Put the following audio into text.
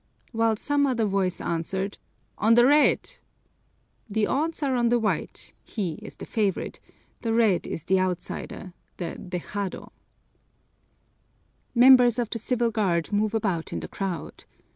while some other voice answers, "On the red!" The odds are on the white, he is the favorite; the red is the "outsider," the dejado. Members of the Civil Guard move about in the crowd.